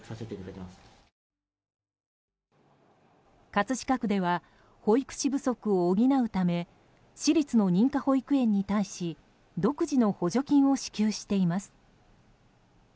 葛飾区では保育士不足を補うため私立の認可保育園に対し独自の補助金を支給しています。